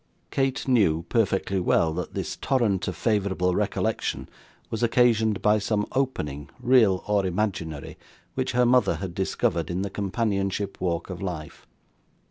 Kate knew, perfectly well, that this torrent of favourable recollection was occasioned by some opening, real or imaginary, which her mother had discovered, in the companionship walk of life.